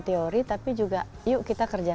teori tapi juga yuk kita kerja